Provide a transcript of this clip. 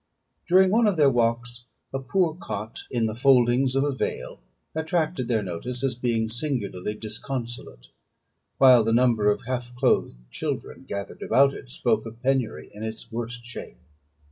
During one of their walks a poor cot in the foldings of a vale attracted their notice, as being singularly disconsolate, while the number of half clothed children gathered about it, spoke of penury in its worst shape.